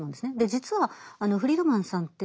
実はフリードマンさんって